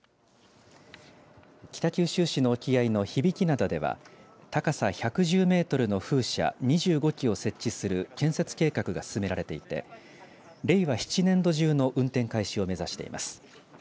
北九州市の沖合の響灘では高さ１１０メートルの風車２５基を設置する建設計画が進められていて令和７年度中の運転開始を目指しています。